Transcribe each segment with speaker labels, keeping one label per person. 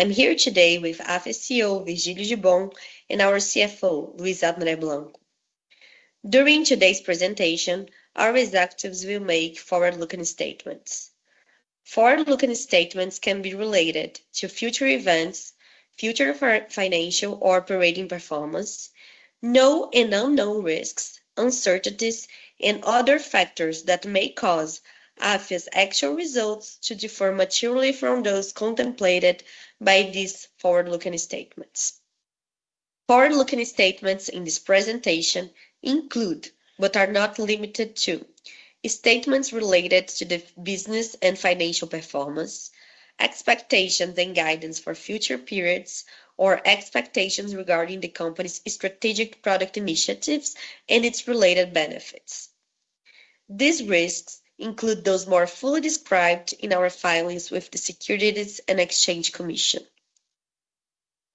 Speaker 1: I'm here today with Afya CEO Virgílio Gibbon and our CFO, Luis André Blanco. During today's presentation, our executives will make forward-looking statements. Forward-looking statements can be related to future events, future financial or operating performance, known and unknown risks, uncertainties, and other factors that may cause Afya's actual results to differ materially from those contemplated by these forward-looking statements. Forward-looking statements in this presentation include, but are not limited to, statements related to the business and financial performance, expectations and guidance for future periods, or expectations regarding the company's strategic product initiatives and its related benefits. These risks include those more fully described in our filings with the Securities and Exchange Commission.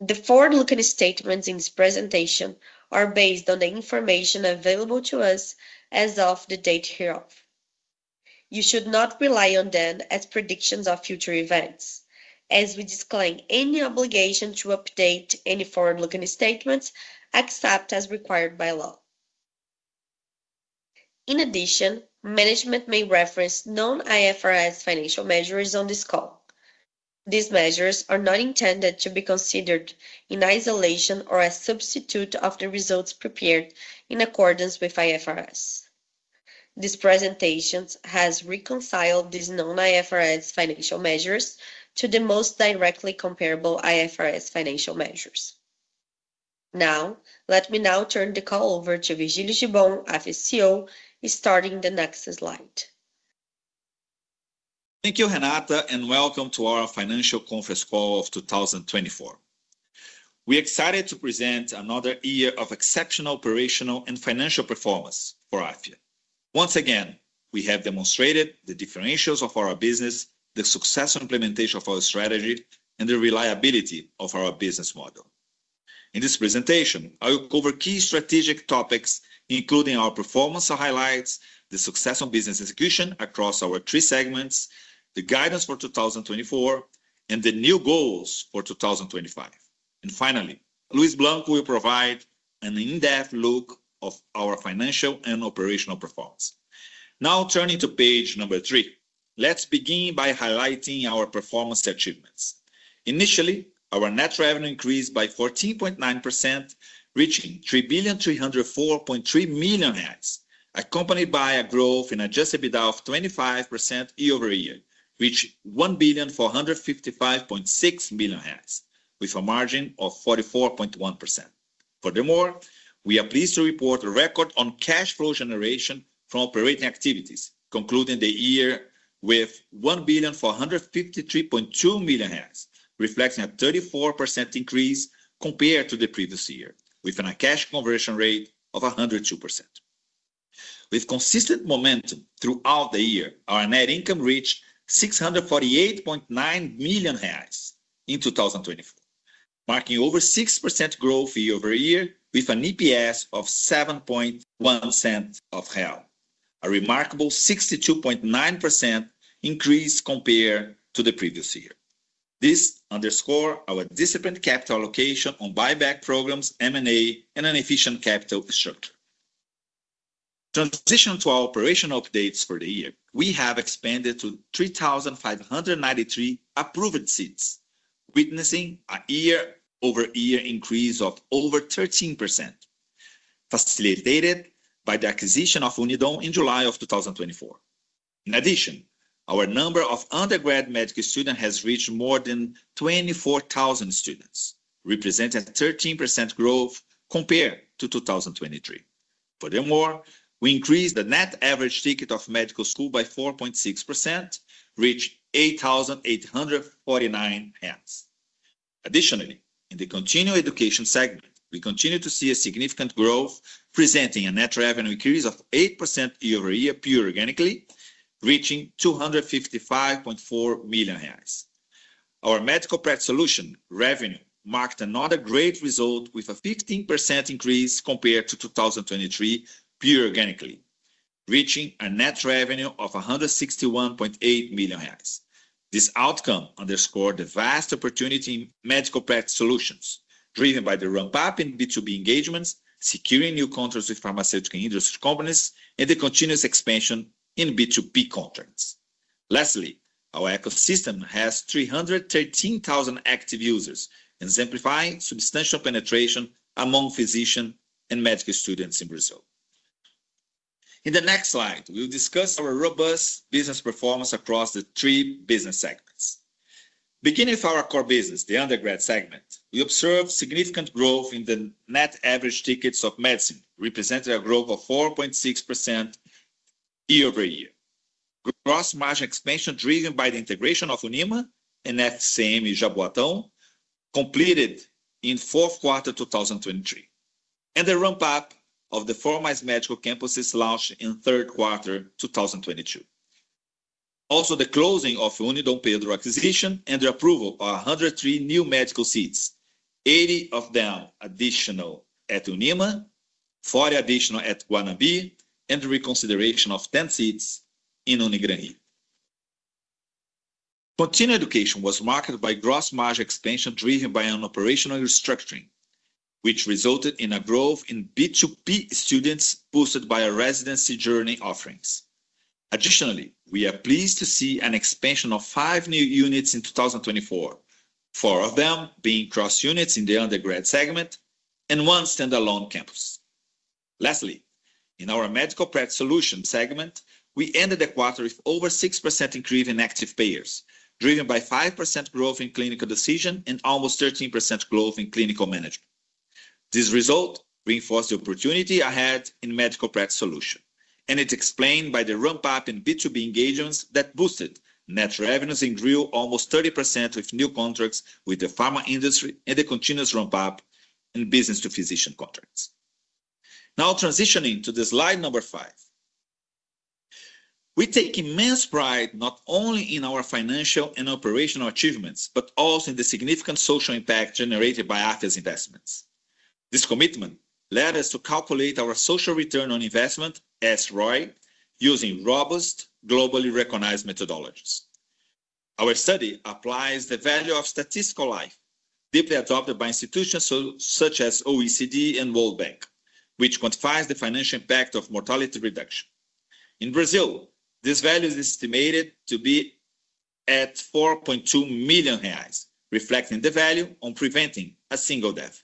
Speaker 1: The forward-looking statements in this presentation are based on the information available to us as of the date hereof. You should not rely on them as predictions of future events, as we disclaim any obligation to update any forward-looking statements except as required by law. In addition, management may reference known IFRS financial measures on this call. These measures are not intended to be considered in isolation or as substitutes of the results prepared in accordance with IFRS. This presentation has reconciled these known IFRS financial measures to the most directly comparable IFRS financial measures. Now, let me now turn the call over to Virgílio Gibbon, Afya CEO, starting the next slide.
Speaker 2: Thank you, Renata, and welcome to our Financial Conference Call of 2024. We are excited to present another year of exceptional operational and financial performance for Afya. Once again, we have demonstrated the differentials of our business, the successful implementation of our strategy, and the reliability of our business model. In this presentation, I will cover key strategic topics, including our performance highlights, the successful business execution across our three segments, the guidance for 2024, and the new goals for 2025. Finally, Luis André Blanco will provide an in-depth look at our financial and operational performance. Now, turning to page number three, let's begin by highlighting our performance achievements. Initially, our net revenue increased by 14.9%, reaching 3,304.3 million, accompanied by a growth in adjusted EBITDA of 25% year over year, reaching 1,455.6 million, with a margin of 44.1%. Furthermore, we are pleased to report a record on cash flow generation from operating activities, concluding the year with 1,453.2 million, reflecting a 34% increase compared to the previous year, with a cash conversion rate of 102%. With consistent momentum throughout the year, our net income reached 648.9 million reais in 2024, marking over 6% growth year over year, with an EPS of 7.01, a remarkable 62.9% increase compared to the previous year. This underscores our disciplined capital allocation on buyback programs, M&A, and an efficient capital structure. Transitioning to our operational updates for the year, we have expanded to 3,593 approved seats, witnessing a year-over-year increase of over 13%, facilitated by the acquisition of Unidom in July of 2024. In addition, our number of undergrad medical students has reached more than 24,000 students, representing a 13% growth compared to 2023. Furthermore, we increased the net average ticket of medical school by 4.6%, reaching BRL 8,849. Additionally, in the continuing education segment, we continue to see a significant growth, presenting a net revenue increase of 8% year over year pure organically, reaching 255.4 million reais. Our medical practice solution revenue marked another great result, with a 15% increase compared to 2023 pure organically, reaching a net revenue of 161.8 million reais. This outcome underscores the vast opportunity in medical practice solutions, driven by the ramp-up in B2B engagements, securing new contracts with pharmaceutical industry companies, and the continuous expansion in B2P contracts. Lastly, our ecosystem has 313,000 active users, exemplifying substantial penetration among physicians and medical students in Brazil. In the next slide, we will discuss our robust business performance across the three business segments. Beginning with our core business, the undergrad segment, we observed significant growth in the net average tickets of medicine, representing a growth of 4.6% year over year, with gross margin expansion driven by the integration of UNIMA and Faculdade de Ciências Médicas de Jaboatão, completed in the fourth quarter of 2023, and the ramp-up of the four medical campuses launched in the third quarter of 2022. Also, the closing of Unidom acquisition and the approval of 103 new medical seats, 80 of them additional at UNIMA, 40 additional at Guanambi, and the reconsideration of 10 seats in Unigranrio. Continuing education was marked by gross margin expansion driven by an operational restructuring, which resulted in a growth in B2P students boosted by Residency Journey offerings. Additionally, we are pleased to see an expansion of five new units in 2024, four of them being growth units in the undergrad segment and one standalone campus. Lastly, in our medical practice solution segment, we ended the quarter with over 6% increase in active payers, driven by 5% growth in clinical decision and almost 13% growth in clinical management. This result reinforced the opportunity ahead in medical practice solution, and it's explained by the ramp-up in B2B engagements that boosted net revenues and grew almost 30% with new contracts with the pharma industry and the continuous ramp-up in business-to-physician contracts. Now, transitioning to slide number five, we take immense pride not only in our financial and operational achievements, but also in the significant social impact generated by Afya's investments. This commitment led us to calculate our social return on investment, SROI, using robust, globally recognized methodologies. Our study applies the value of statistical life, deeply adopted by institutions such as OECD and World Bank, which quantifies the financial impact of mortality reduction. In Brazil, this value is estimated to be at 4.2 million reais, reflecting the value on preventing a single death.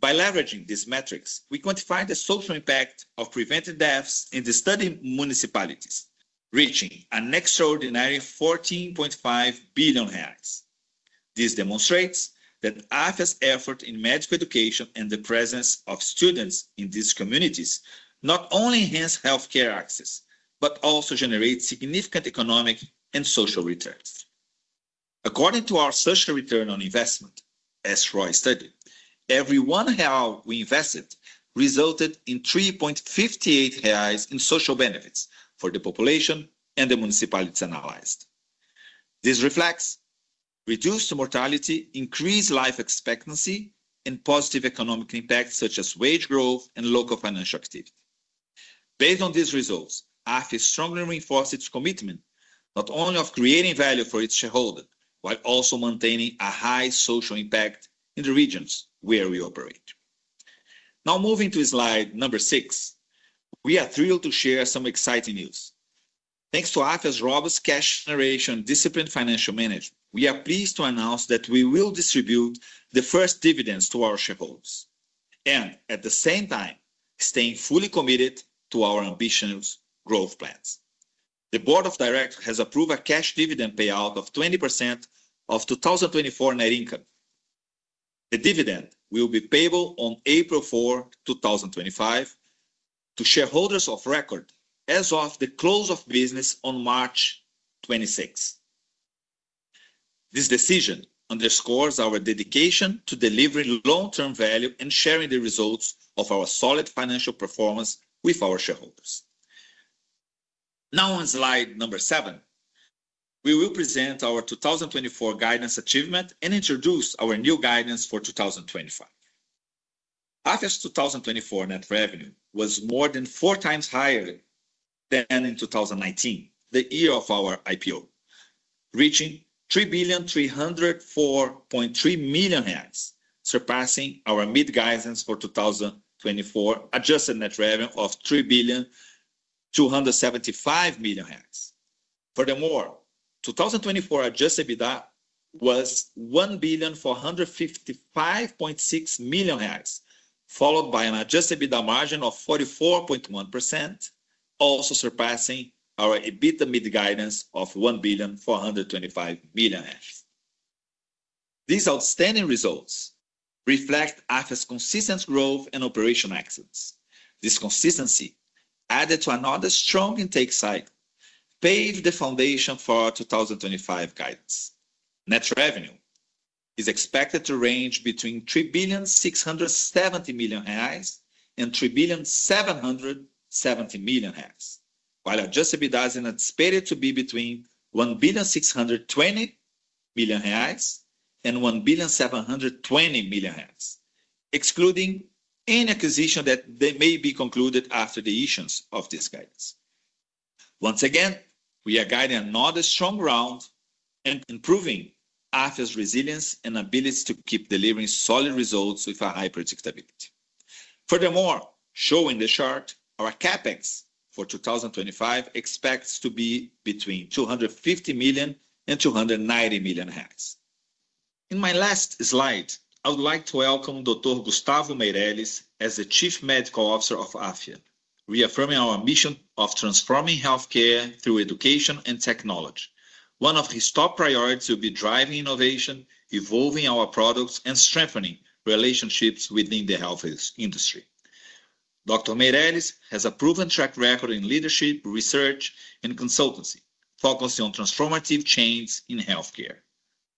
Speaker 2: By leveraging these metrics, we quantified the social impact of preventive deaths in the study municipalities, reaching an extraordinary 14.5 billion. This demonstrates that Afya's effort in medical education and the presence of students in these communities not only enhance healthcare access, but also generate significant economic and social returns. According to our social return on investment, SROI study, every one hour we invested resulted in 3.58 reais in social benefits for the population and the municipalities analyzed. This reflects reduced mortality, increased life expectancy, and positive economic impacts such as wage growth and local financial activity. Based on these results, Afya strongly reinforced its commitment not only to creating value for its shareholders, but also maintaining a high social impact in the regions where we operate. Now, moving to slide number six, we are thrilled to share some exciting news. Thanks to Afya's robust cash generation and disciplined financial management, we are pleased to announce that we will distribute the first dividends to our shareholders and, at the same time, stay fully committed to our ambitious growth plans. The Board of Directors has approved a cash dividend payout of 20% of 2024 net income. The dividend will be payable on April 4, 2025, to shareholders of record as of the close of business on March 26. This decision underscores our dedication to delivering long-term value and sharing the results of our solid financial performance with our shareholders. Now, on slide number seven, we will present our 2024 guidance achievement and introduce our new guidance for 2025. Afya's 2024 net revenue was more than four times higher than in 2019, the year of our IPO, reaching 3,304.3 million reais, surpassing our mid-guidance for 2024 adjusted net revenue of 3,275 million. Furthermore, 2024 adjusted EBITDA was 1,455.6 million, followed by an adjusted EBITDA margin of 44.1%, also surpassing our EBITDA mid-guidance of 1,425 million. These outstanding results reflect Afya's consistent growth and operational excellence. This consistency, added to another strong intake cycle, paved the foundation for our 2025 guidance. Net revenue is expected to range between 3,670 million reais and 3,770 million reais, while adjusted EBITDA is anticipated to be between 1,620 million reais and 1,720 million reais, excluding any acquisition that may be concluded after the issuance of this guidance. Once again, we are guiding another strong round and improving Afya's resilience and ability to keep delivering solid results with a high predictability. Furthermore, showing the chart, our Capex for 2025 expects to be between 250 million and 290 million. In my last slide, I would like to welcome Dr. Gustavo Meirelles as the Chief Medical Officer of Afya, reaffirming our mission of transforming healthcare through education and technology. One of his top priorities will be driving innovation, evolving our products, and strengthening relationships within the health industry. Dr. Meirelles has a proven track record in leadership, research, and consultancy, focusing on transformative changes in healthcare.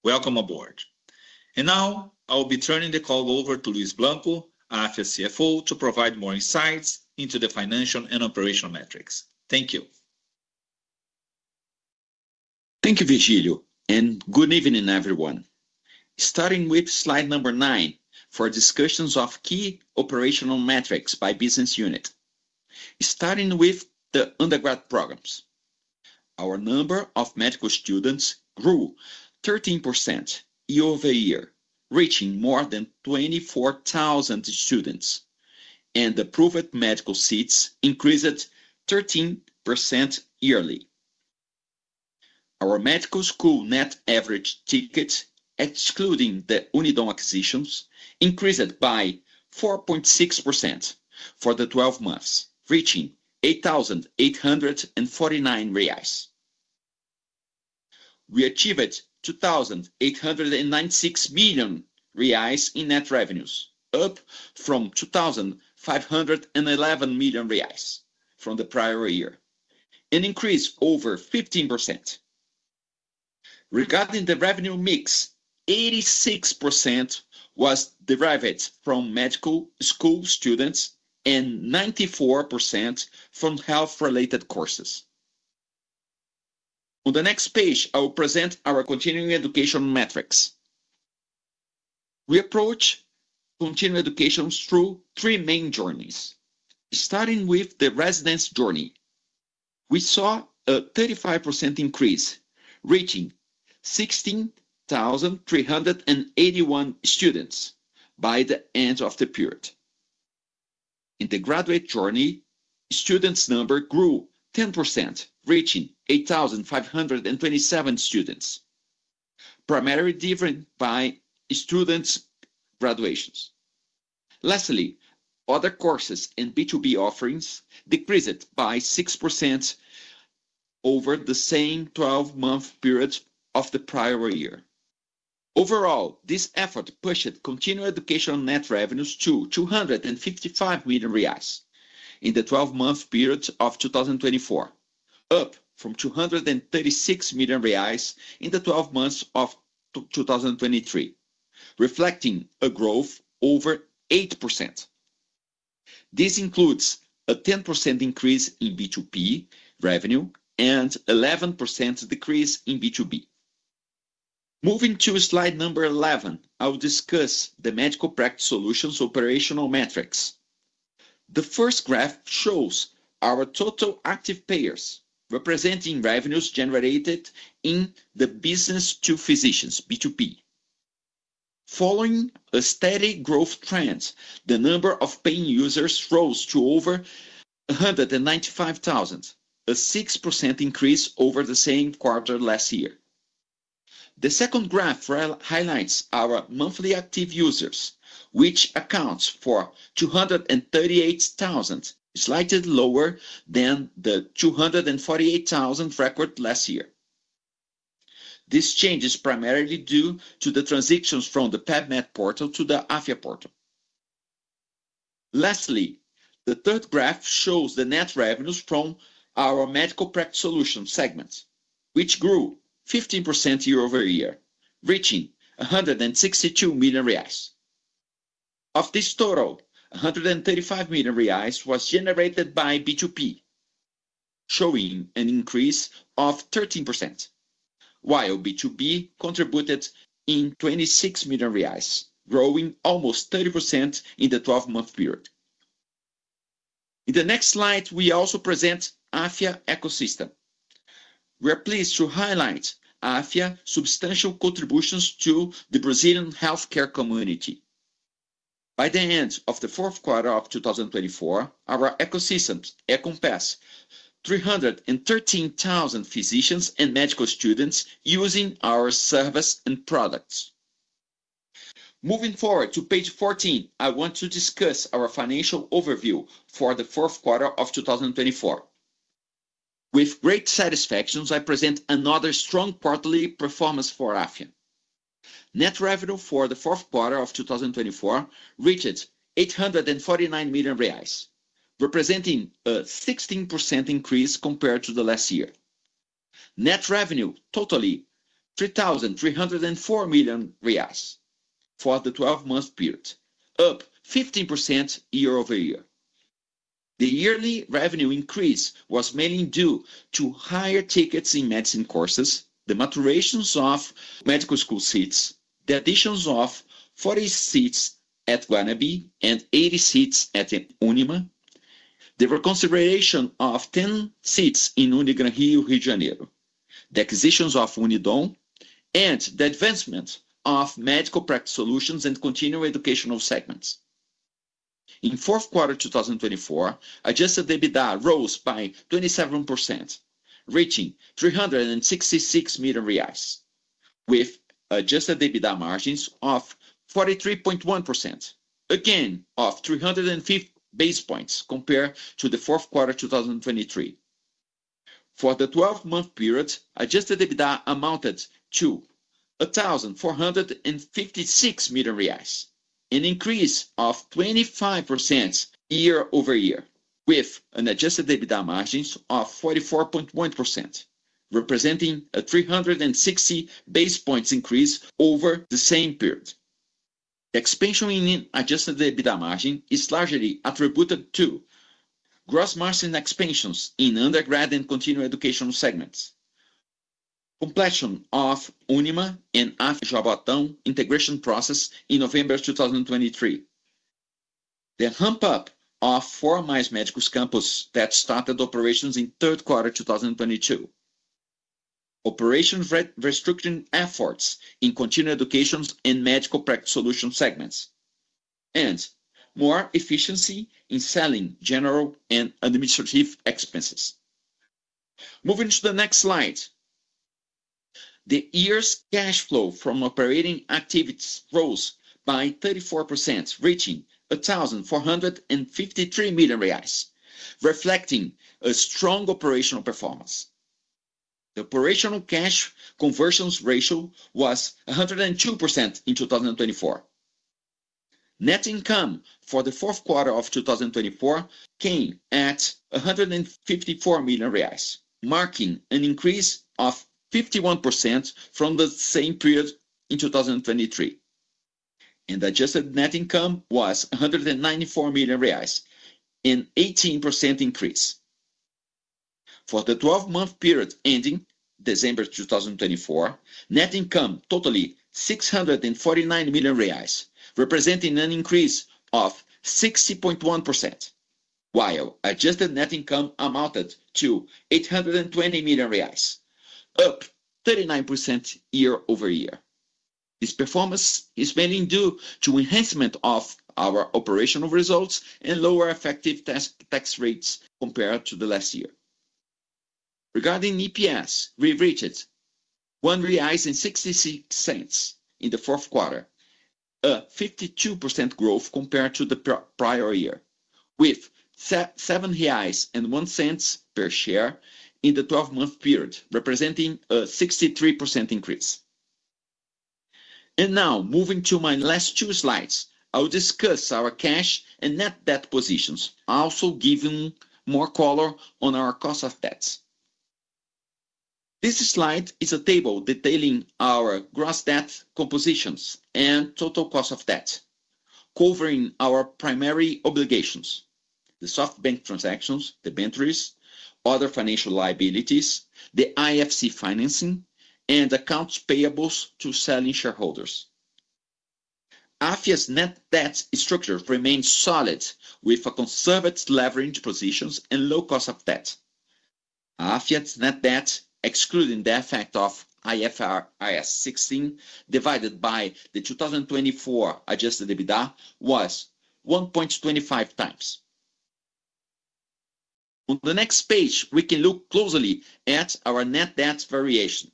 Speaker 2: Welcome aboard. I will be turning the call over to Luis André Blanco, Afya CFO, to provide more insights into the financial and operational metrics. Thank you.
Speaker 3: Thank you, Virgílio, and good evening, everyone. Starting with slide number nine for discussions of key operational metrics by business unit. Starting with the undergrad programs, our number of medical students grew 13% year over year, reaching more than 24,000 students, and approved medical seats increased 13% yearly. Our medical school net average tickets, excluding the Unidom acquisitions, increased by 4.6% for the 12 months, reaching 8,849 reais. We achieved 2,896 million reais in net revenues, up from 2,511 million reais from the prior year, an increase of over 15%. Regarding the revenue mix, 86% was derived from medical school students and 94% from health-related courses. On the next page, I will present our continuing education metrics. We approach continuing education through three main journeys. Starting with the residency journey, we saw a 35% increase, reaching 16,381 students by the end of the period. In the Graduate Journey, students' number grew 10%, reaching 8,527 students, primarily driven by students' graduations. Lastly, other courses and B2B offerings decreased by 6% over the same 12-month period of the prior year. Overall, this effort pushed continuing education net revenues to 255 million reais in the 12-month period of 2024, up from 236 million reais in the 12 months of 2023, reflecting a growth of over 8%. This includes a 10% increase in B2P revenue and an 11% decrease in B2B. Moving to slide number 11, I will discuss the medical practice solutions operational metrics. The first graph shows our total active payers, representing revenues generated in the business-to-physicians B2P. Following a steady growth trend, the number of paying users rose to over 195,000, a 6% increase over the same quarter last year. The second graph highlights our monthly active users, which accounts for 238,000, slightly lower than the 248,000 record last year. This change is primarily due to the transitions from the PEBMED portal to the Afya portal. Lastly, the third graph shows the net revenues from our medical practice solutions segment, which grew 15% year over year, reaching 162 million reais. Of this total, 135 million reais was generated by B2P, showing an increase of 13%, while B2B contributed 26 million reais, growing almost 30% in the 12-month period. In the next slide, we also present Afya Ecosystem. We are pleased to highlight Afya's substantial contributions to the Brazilian healthcare community. By the end of the fourth quarter of 2024, our ecosystem accomplished 313,000 physicians and medical students using our service and products. Moving forward to page 14, I want to discuss our financial overview for the fourth quarter of 2024. With great satisfaction, I present another strong quarterly performance for Afya. Net revenue for the fourth quarter of 2024 reached 849 million reais, representing a 16% increase compared to the last year. Net revenue totaled 3,304 million reais for the 12-month period, up 15% year over year. The yearly revenue increase was mainly due to higher tickets in medicine courses, the maturation of medical school seats, the addition of 40 seats at Guanambi and 80 seats at Unima, the reconciliation of 10 seats in Unigranrio Rio de Janeiro, the acquisition of Unidom, and the advancement of medical practice solutions and continuing educational segments. In the fourth quarter of 2024, adjusted EBITDA rose by 27%, reaching 366 million reais, with adjusted EBITDA margins of 43.1%, again up 350 basis points compared to the fourth quarter of 2023. For the 12-month period, adjusted EBITDA amounted to 1,456 million reais, an increase of 25% year over year, with an adjusted EBITDA margin of 44.1%, representing a 360 basis points increase over the same period. The expansion in adjusted EBITDA margin is largely attributed to gross margin expansions in undergrad and continuing education segments. Completion of Unima and Afya Jaboatão integration process in November 2023, the ramp-up of four more medical campuses that started operations in the third quarter of 2022, operational restructuring efforts in continuing education and medical practice solutions segments, and more efficiency in selling general and administrative expenses. Moving to the next slide, the year's cash flow from operating activities rose by 34%, reaching 1,453 million reais, reflecting a strong operational performance. The operational cash conversion ratio was 102% in 2024. Net income for the fourth quarter of 2024 came at 154 million reais, marking an increase of 51% from the same period in 2023, and adjusted net income was 194 million reais, an 18% increase. For the 12-month period ending December 2024, net income totaled 649 million reais, representing an increase of 60.1%, while adjusted net income amounted to 820 million reais, up 39% year over year. This performance is mainly due to the enhancement of our operational results and lower effective tax rates compared to the last year. Regarding EPS, we reached 1.66 reais in the fourth quarter, a 52% growth compared to the prior year, with 7.01 reais per share in the 12-month period, representing a 63% increase. Now, moving to my last two slides, I will discuss our cash and net debt positions, also giving more color on our cost of debt. This slide is a table detailing our gross debt compositions and total cost of debt, covering our primary obligations: the SoftBank transactions, the bank risk, other financial liabilities, the IFC financing, and accounts payable to selling shareholders. Afya's net debt structure remained solid, with conservative leverage positions and low cost of debt. Afya's net debt, excluding the effect of IFRS 16 divided by the 2024 adjusted EBITDA, was 1.25 times. On the next page, we can look closely at our net debt variation.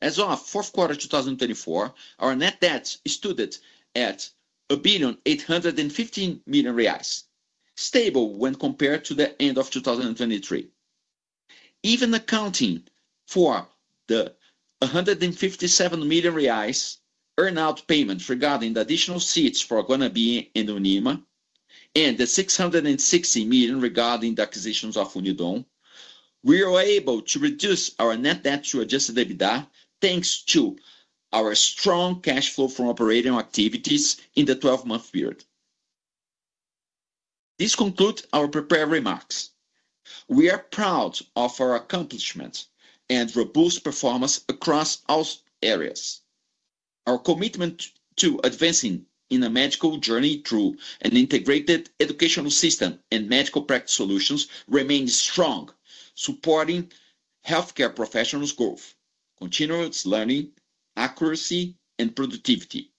Speaker 3: As of fourth quarter 2024, our net debt stood at 1,815 million reais, stable when compared to the end of 2023. Even accounting for the 157 million reais earn-out payments regarding the additional seats for Guanambi and Unima, and the 660 million regarding the acquisitions of Unidom, we were able to reduce our net debt to adjusted EBITDA thanks to our strong cash flow from operating activities in the 12-month period. This concludes our prepared remarks. We are proud of our accomplishments and robust performance across all areas. Our commitment to advancing in the medical journey through an integrated educational system and medical practice solutions remains strong, supporting healthcare professionals' growth, continuous learning, accuracy, and productivity.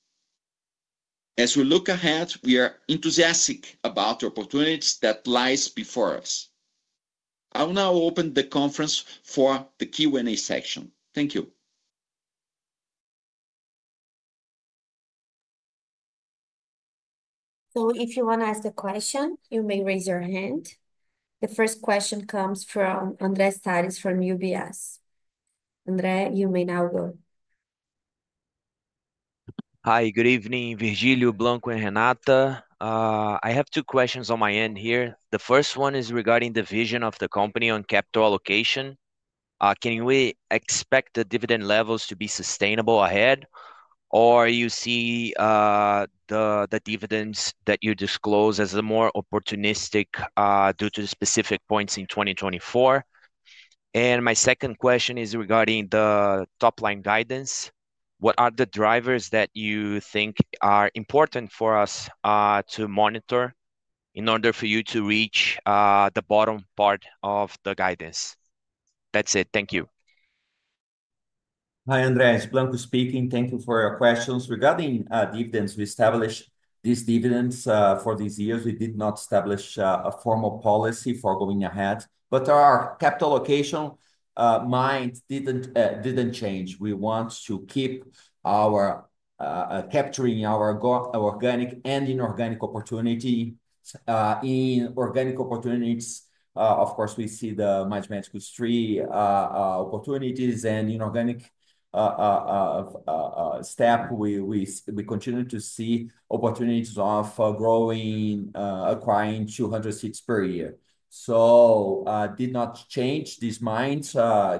Speaker 3: As we look ahead, we are enthusiastic about the opportunities that lie before us. I will now open the conference for the Q&A section. Thank you.
Speaker 4: If you want to ask a question, you may raise your hand. The first question comes from André Salles from UBS. André, you may now go.
Speaker 5: Hi, good evening, Virgílio, Blanco, and Renata. I have two questions on my end here. The first one is regarding the vision of the company on capital allocation. Can we expect the dividend levels to be sustainable ahead, or do you see the dividends that you disclose as more opportunistic due to the specific points in 2024? My second question is regarding the top-line guidance. What are the drivers that you think are important for us to monitor in order for you to reach the bottom part of the guidance? That's it. Thank you.
Speaker 3: Hi, André. It's Blanco speaking. Thank you for your questions. Regarding dividends, we established these dividends for these years. We did not establish a formal policy for going ahead, but our capital allocation mind did not change. We want to keep our capturing our organic and inorganic opportunity. In organic opportunities, of course, we see the Mais Médicos 3 opportunities, and in inorganic step, we continue to see opportunities of growing, acquiring 200 seats per year. I did not change this mind,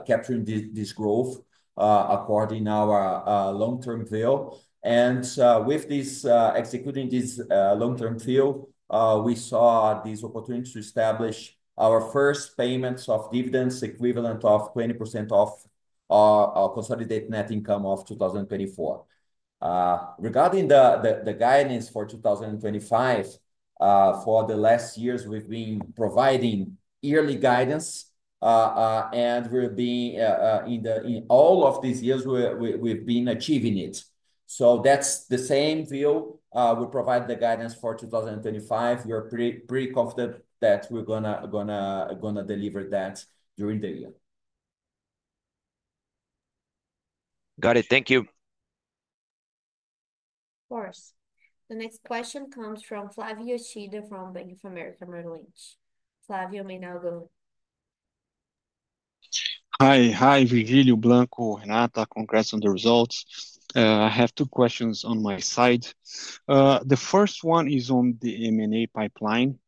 Speaker 3: capturing this growth according to our long-term view. With this executing this long-term view, we saw these opportunities to establish our first payments of dividends equivalent to 20% of our consolidated net income of 2024. Regarding the guidance for 2025, for the last years, we've been providing yearly guidance, and we've been in all of these years, we've been achieving it. That's the same view. We provide the guidance for 2025. We are pretty confident that we're going to deliver that during the year.
Speaker 5: Got it. Thank you.
Speaker 4: Of course. The next question comes from Flavio Yoshida from Bank of America Merrill Lynch. Flavio, you may now go.
Speaker 6: Hi. Hi, Virgílio, Blanco, Renata. Congrats on the results. I have two questions on my side. The first one is on the M&A pipeline.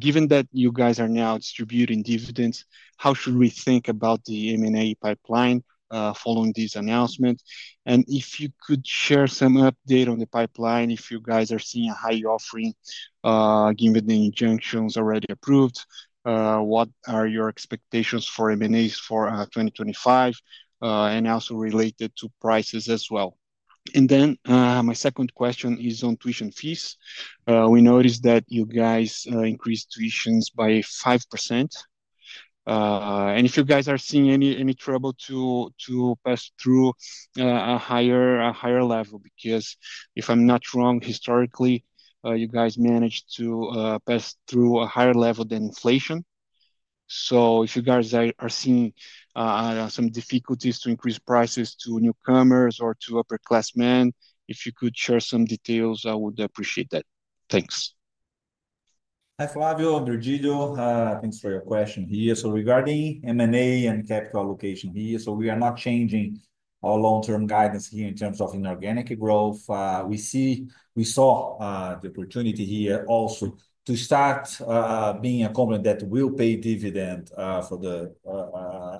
Speaker 6: Given that you guys are now distributing dividends, how should we think about the M&A pipeline following this announcement? If you could share some update on the pipeline, if you guys are seeing a high offering, given the injunctions already approved, what are your expectations for M&As for 2025? Also related to prices as well. My second question is on tuition fees. We noticed that you guys increased tuitions by 5%. If you guys are seeing any trouble to pass through a higher level, because if I'm not wrong, historically, you guys managed to pass through a higher level than inflation. If you guys are seeing some difficulties to increase prices to newcomers or to upper-class men, if you could share some details, I would appreciate that. Thanks.
Speaker 2: Hi, Flavio, Virgílio. Thanks for your question here. Regarding M&A and capital allocation here, we are not changing our long-term guidance here in terms of inorganic growth. We saw the opportunity here also to start being a company that will pay dividend for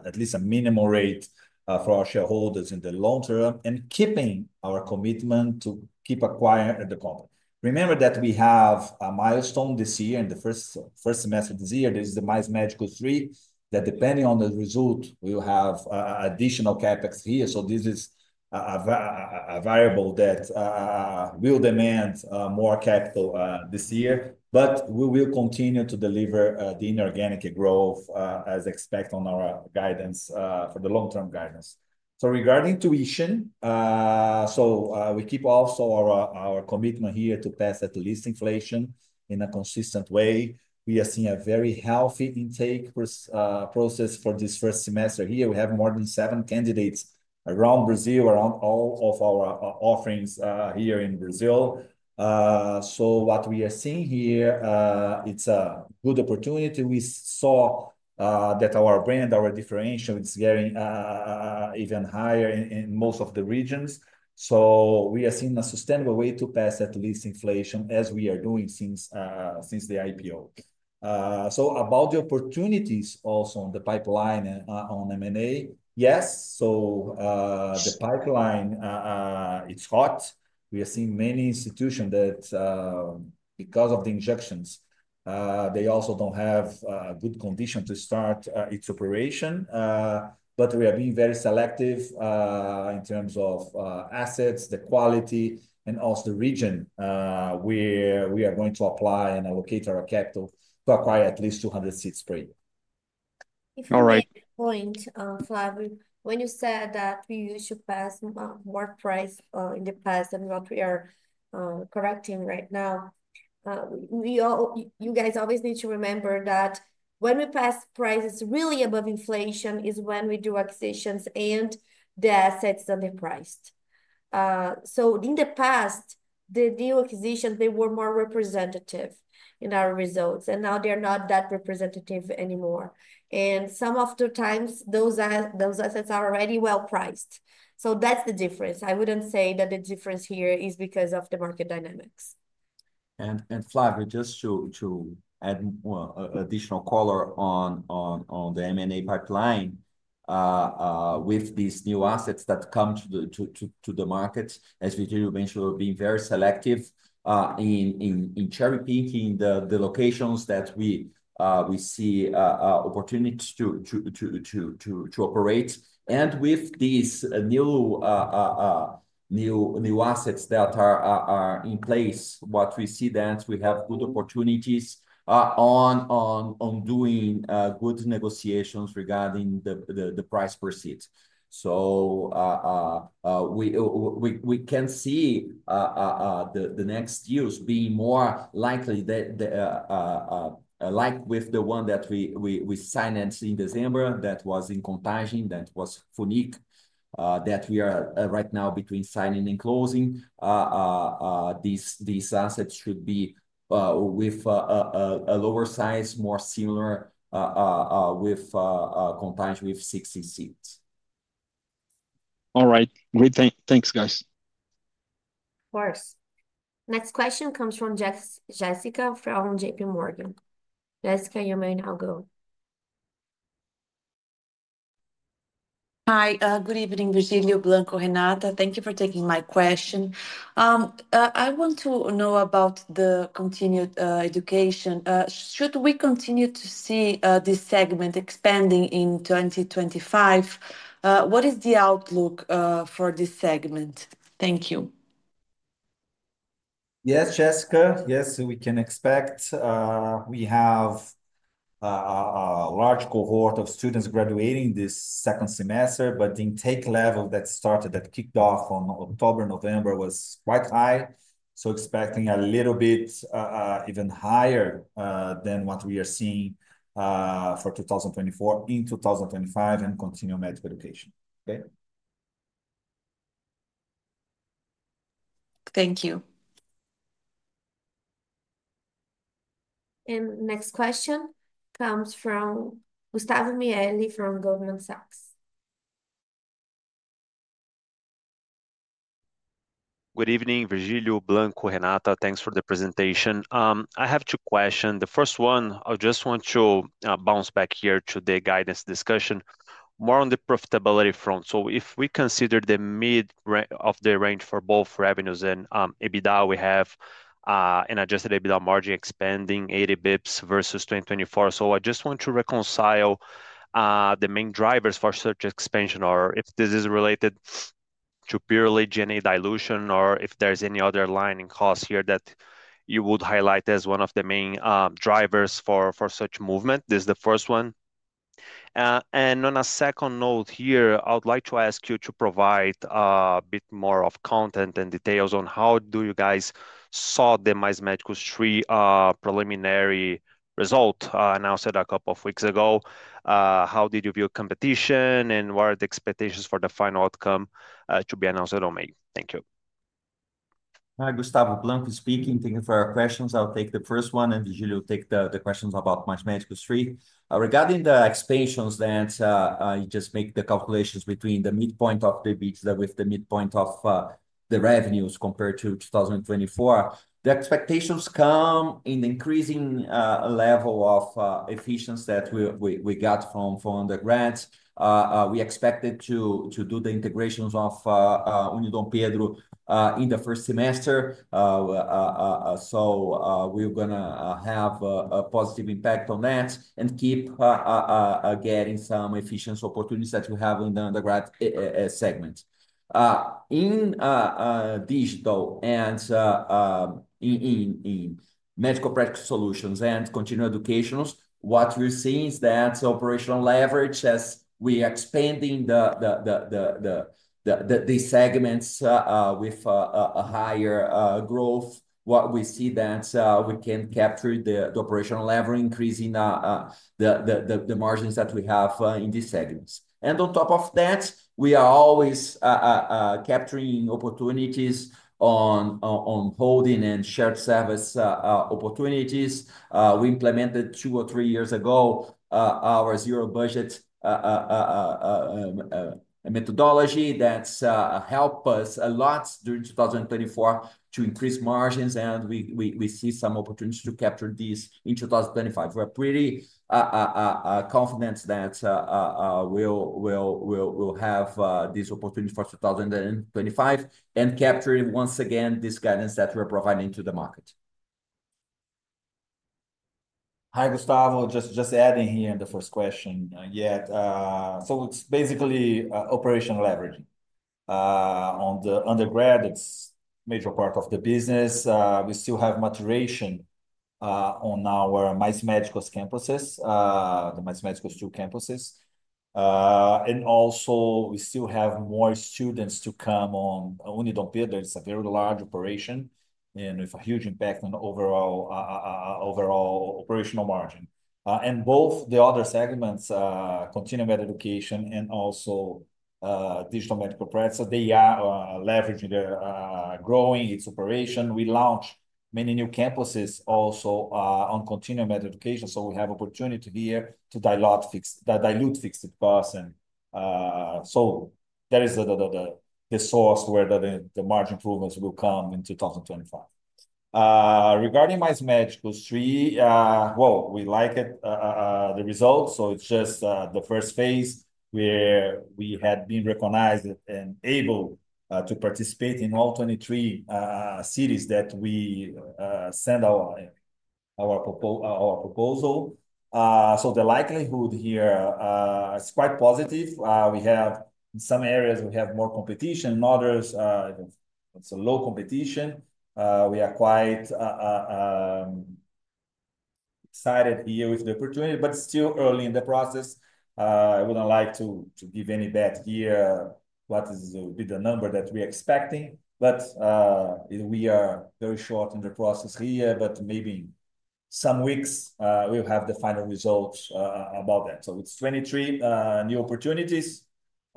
Speaker 2: at least a minimum rate for our shareholders in the long term and keeping our commitment to keep acquiring the company. Remember that we have a milestone this year in the first semester of this year. This is the Mais Médicos, that depending on the result, we will have additional CapEx here. This is a variable that will demand more capital this year, but we will continue to deliver the inorganic growth as expected on our guidance for the long-term guidance. Regarding tuition, we keep also our commitment here to pass at least inflation in a consistent way. We are seeing a very healthy intake process for this first semester here. We have more than seven candidates around Brazil, around all of our offerings here in Brazil. What we are seeing here, it's a good opportunity. We saw that our brand, our differential, is getting even higher in most of the regions. We are seeing a sustainable way to pass at least inflation as we are doing since the IPO. About the opportunities also on the pipeline on M&A, yes. The pipeline, it's hot. We are seeing many institutions that because of the injections, they also don't have a good condition to start its operation. We are being very selective in terms of assets, the quality, and also the region where we are going to apply and allocate our capital to acquire at least 200 seats per year.
Speaker 6: All right.
Speaker 1: Point, Flavio, when you said that we used to pass more price in the past than what we are correcting right now, you guys always need to remember that when we pass prices really above inflation is when we do acquisitions and the assets are depressed. In the past, the deal acquisitions, they were more representative in our results, and now they're not that representative anymore. Some of the times, those assets are already well priced. That's the difference. I wouldn't say that the difference here is because of the market dynamics.
Speaker 3: Flavio, just to add additional color on the M&A pipeline with these new assets that come to the market, as Virgílio mentioned, we're being very selective in cherry-picking the locations that we see opportunities to operate. With these new assets that are in place, what we see then is we have good opportunities on doing good negotiations regarding the price per seat. We can see the next years being more likely like with the one that we signed in December that was in Contagem, that was FUNEC, that we are right now between signing and closing. These assets should be with a lower size, more similar with Contagem with 60 seats.
Speaker 6: All right. Great. Thanks, guys.
Speaker 4: Of course. Next question comes from Jessica from JPMorgan. Jessica, you may now go.
Speaker 7: Hi. Good evening, Virgílio, Blanco, Renata. Thank you for taking my question. I want to know about the continuing education. Should we continue to see this segment expanding in 2025? What is the outlook for this segment? Thank you.
Speaker 3: Yes, Jessica. Yes, we can expect. We have a large cohort of students graduating this second semester, but the intake level that started, that kicked off in October, November was quite high. Expecting a little bit even higher than what we are seeing for 2024 in 2025 and continue medical education. Okay.
Speaker 7: Thank you.
Speaker 4: Next question comes from Gustavo Miele from Goldman Sachs.
Speaker 8: Good evening, Virgílio, Blanco, Renata. Thanks for the presentation. I have two questions. The first one, I just want to bounce back here to the guidance discussion more on the profitability front. If we consider the mid of the range for both revenues and EBITDA, we have an adjusted EBITDA margin expanding 80 basis points versus 2024. I just want to reconcile the main drivers for such expansion, or if this is related to purely G&A dilution, or if there is any other line in cost here that you would highlight as one of the main drivers for such movement. This is the first one. On a second note here, I would like to ask you to provide a bit more of content and details on how do you guys saw the Mais Médicos 3 preliminary result announced a couple of weeks ago. How did you view competition, and what are the expectations for the final outcome to be announced on May? Thank you.
Speaker 3: Hi, Gustavo, Blanco speaking. Thank you for your questions. I'll take the first one, and Virgilio will take the questions about Mais Médicos 3. Regarding the expansions that you just make the calculations between the midpoint of the bids with the midpoint of the revenues compared to 2024, the expectations come in the increasing level of efficiency that we got from undergrads. We expected to do the integrations of Unidompedro in the first semester. We are going to have a positive impact on that and keep getting some efficiency opportunities that we have in the undergrad segment. In digital and in medical practice solutions and continuing education, what we're seeing is that operational leverage, as we are expanding these segments with a higher growth, what we see is that we can capture the operational lever increasing the margins that we have in these segments. On top of that, we are always capturing opportunities on holding and shared service opportunities. We implemented two or three years ago our zero budget methodology that helped us a lot during 2024 to increase margins, and we see some opportunities to capture this in 2025. We are pretty confident that we will have this opportunity for 2025 and capture once again this guidance that we are providing to the market.
Speaker 2: Hi, Gustavo. Just adding here in the first question yet. It is basically operational leveraging on the undergrad. It is a major part of the business. We still have maturation on our Mais Médicos 2 campuses. Also, we still have more students to come on Unidompedro. It is a very large operation and with a huge impact on overall operational margin. Both the other segments, continuing medical education and also digital medical practice, are leveraging their growing its operation. We launched many new campuses also on continuing medical education. We have opportunity here to dilute fixed costs. That is the source where the margin improvements will come in 2025. Regarding Mais Médicos 3, we like the results. It is just the first phase where we had been recognized and able to participate in all 23 cities that we send our proposal. The likelihood here is quite positive. In some areas, we have more competition. In others, it is low competition. We are quite excited here with the opportunity, but still early in the process. I would not like to give any bet here what is the number that we are expecting, but we are very short in the process here, but maybe some weeks we will have the final results about that. It is 23 new opportunities.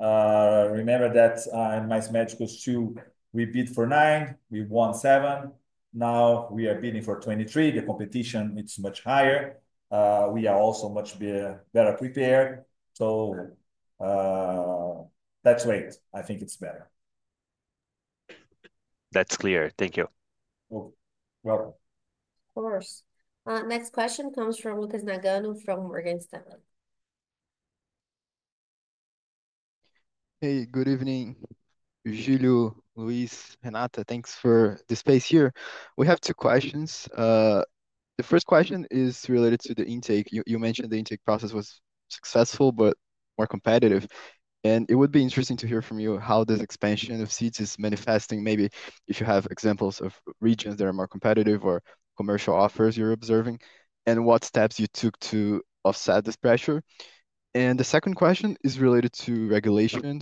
Speaker 2: Remember that in Mais Médicos 2, we bid for nine. We won seven. Now we are bidding for 23. The competition, it's much higher. We are also much better prepared. Let's wait. I think it's better.
Speaker 8: That's clear. Thank you.
Speaker 3: You're welcome.
Speaker 4: Of course. Next question comes from Lucas Nagano from Morgan Stanley.
Speaker 9: Hey, good evening, Virgílio, Luis, Renata. Thanks for the space here. We have two questions. The first question is related to the intake. You mentioned the intake process was successful, but more competitive. It would be interesting to hear from you how this expansion of seats is manifesting, maybe if you have examples of regions that are more competitive or commercial offers you're observing, and what steps you took to offset this pressure. The second question is related to regulation.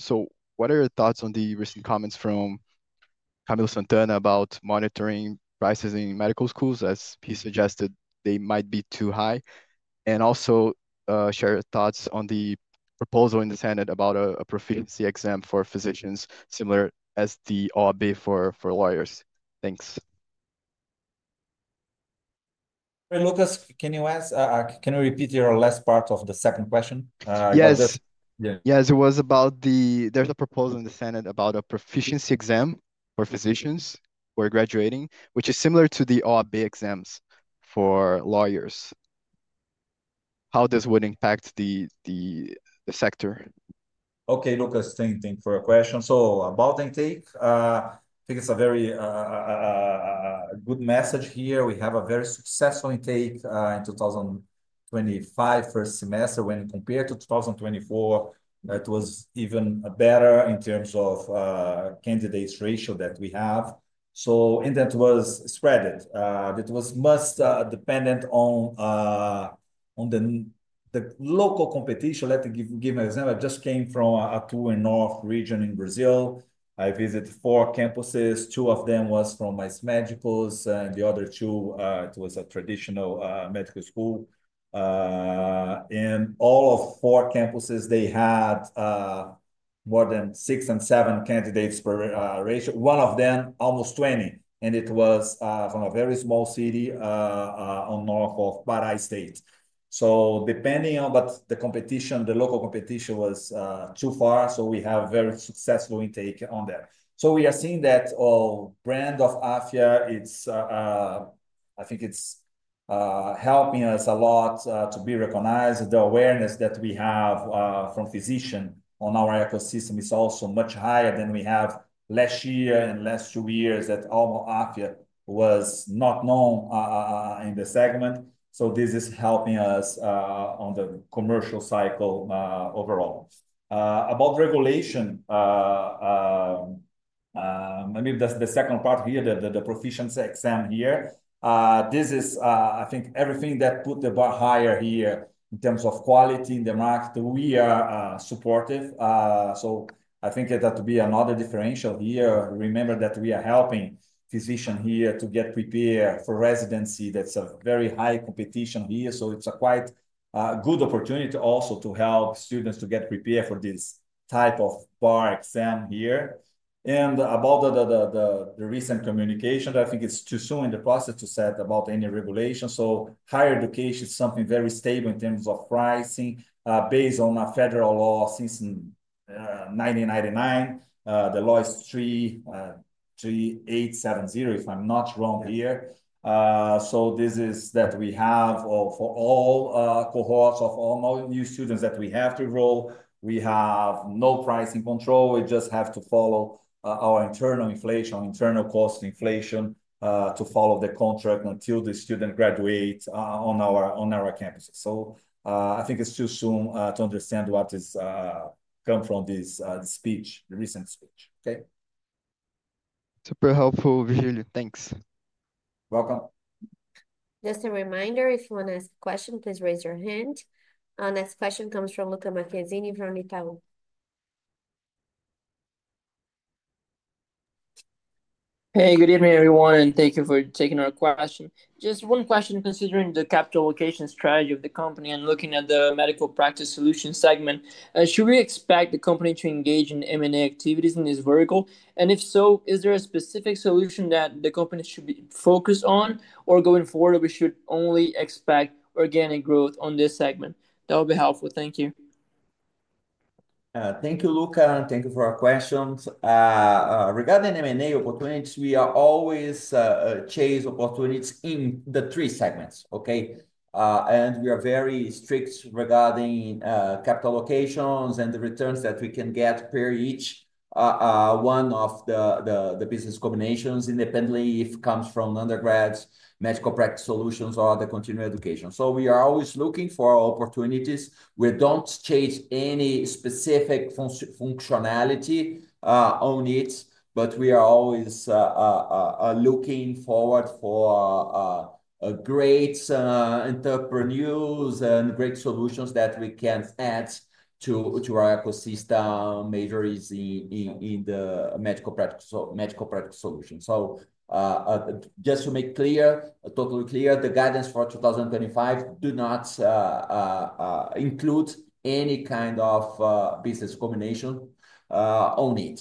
Speaker 9: What are your thoughts on the recent comments from Camilo Santana about monitoring prices in medical schools, as he suggested they might be too high? Also share your thoughts on the proposal in the Senate about a proficiency exam for physicians similar as the OAB for lawyers. Thanks.
Speaker 2: Hey, Lucas, can you repeat your last part of the second question?
Speaker 9: Yes. Yes, it was about the there's a proposal in the Senate about a proficiency exam for physicians who are graduating, which is similar to the OAB exams for lawyers. How this would impact the sector?
Speaker 2: Okay, Lucas, same thing for a question. So about intake, I think it's a very good message here. We have a very successful intake in 2025, first semester. When compared to 2024, it was even better in terms of candidates' ratio that we have. That was spread. That was most dependent on the local competition. Let me give an example. I just came from a two in one region in Brazil. I visited four campuses. Two of them were from Mais Médicos, and the other two, it was a traditional medical school. All four campuses had more than six and seven candidates per ratio. One of them, almost 20. It was from a very small city on the north of Pará state. Depending on the competition, the local competition was too far. We have a very successful intake on that. We are seeing that all brand of Afya, I think it's helping us a lot to be recognized. The awareness that we have from physicians on our ecosystem is also much higher than we have last year and last two years that Afya was not known in the segment. This is helping us on the commercial cycle overall. About regulation, maybe the second part here, the proficiency exam here, this is, I think, everything that put the bar higher here in terms of quality in the market. We are supportive. I think that would be another differential here. Remember that we are helping physicians here to get prepared for residency. That's a very high competition here. It's a quite good opportunity also to help students to get prepared for this type of bar exam here. About the recent communication, I think it's too soon in the process to set about any regulation. Higher education is something very stable in terms of pricing based on federal law since 1999. The law is 3870, if I'm not wrong here. This is what we have for all cohorts of all new students that we have to enroll. We have no pricing control. We just have to follow our internal inflation, our internal cost inflation to follow the contract until the student graduates on our campuses. I think it's too soon to understand what has come from this speech, the recent speech.
Speaker 9: Super helpful, Virgilio. Thanks.
Speaker 2: You're welcome.
Speaker 4: Just a reminder, if you want to ask a question, please raise your hand. Next question comes from Luca Marchesini from Itaú.
Speaker 10: Hey, good evening, everyone. Thank you for taking our question. Just one question. Considering the capital allocation strategy of the company and looking at the medical practice solution segment, should we expect the company to engage in M&A activities in this vertical? If so, is there a specific solution that the company should be focused on, or going forward, we should only expect organic growth on this segment? That would be helpful. Thank you.
Speaker 2: Thank you, Luca. Thank you for our questions. Regarding M&A opportunities, we are always chasing opportunities in the three segments. Okay? We are very strict regarding capital allocation and the returns that we can get per each one of the business combinations, independently if it comes from undergrads, medical practice solutions, or the continuing education. We are always looking for opportunities. We do not chase any specific functionality on it, but we are always looking forward for great entrepreneurs and great solutions that we can add to our ecosystem, majorities in the medical practice solution. Just to make totally clear, the guidance for 2025 does not include any kind of business combination on it.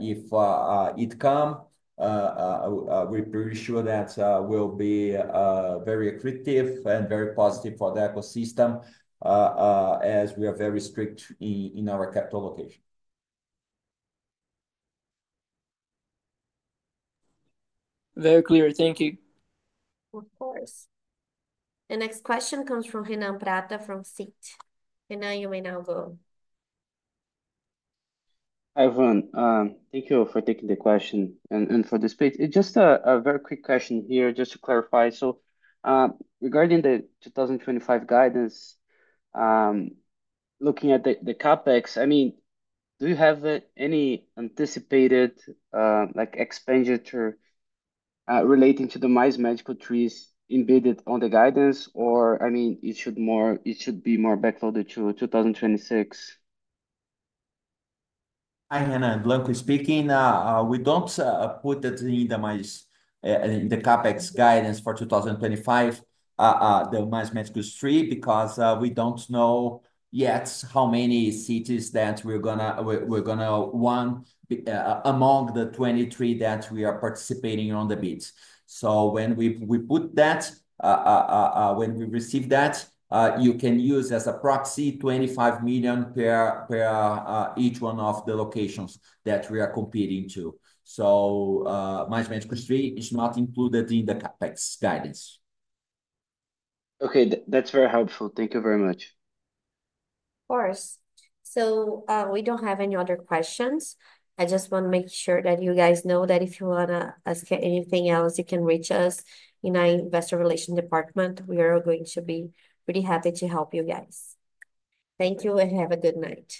Speaker 2: If it comes, we are pretty sure that it will be very effective and very positive for the ecosystem as we are very strict in our capital allocation.
Speaker 11: Very clear. Thank you.
Speaker 4: Of course. The next question comes from Renan Prata from Citi. Renan, you may now go.
Speaker 12: Hi, everyone. Thank you for taking the question and for the space. Just a very quick question here, just to clarify. Regarding the 2025 guidance, looking at the CapEx, I mean, do you have any anticipated expenditure relating to the Mais Médicos 3 embedded on the guidance, or I mean, it should be more backloaded to 2026?
Speaker 2: Hi, Renan. Locally speaking, we do not put it in the Mais, in the CapEx guidance for 2025, the Mais Médicos 3, because we do not know yet how many cities that we are going to want among the 23 that we are participating on the bids. When we put that, when we receive that, you can use as a proxy 25 million per each one of the locations that we are competing to. Mais Médicos 3 is not included in the CapEx guidance.
Speaker 13: Okay, that's very helpful. Thank you very much.
Speaker 4: Of course. We do not have any other questions. I just want to make sure that you guys know that if you want to ask anything else, you can reach us in our investor relations department. We are going to be pretty happy to help you guys. Thank you and have a good night.